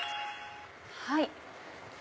はい。